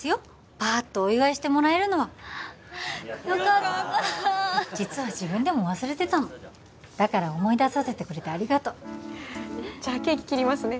パーッとお祝いしてもらえるのはよかった実は自分でも忘れてたのだから思い出させてくれてありがとじゃあケーキ切りますね